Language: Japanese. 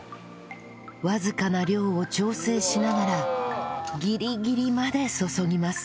わずかな量を調整しながらギリギリまで注ぎます